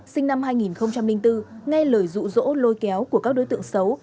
sinh năm hai nghìn bốn nghe lời rụ rỗ lôi kéo của các đối tượng xấu